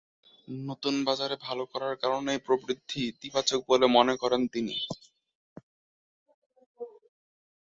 নতুন বাজারে ভালো করার কারণেই প্রবৃদ্ধি ইতিবাচক বলে মনে করেন তিনি।